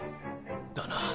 だな。